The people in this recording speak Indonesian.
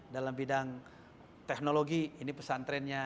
dalam bidang teknologi ini pesantrennya